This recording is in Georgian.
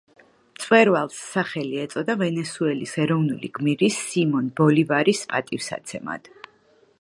მწვერვალს სახელი ეწოდა ვენესუელის ეროვნული გმირის სიმონ ბოლივარის პატივსაცემად.